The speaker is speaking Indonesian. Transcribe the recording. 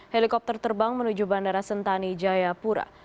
helikopter terbang menuju bandara sentani jayapura